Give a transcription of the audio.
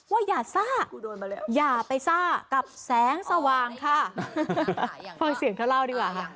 อย่าซ่าอย่าไปซ่ากับแสงสว่างค่ะฟังเสียงเธอเล่าดีกว่าค่ะ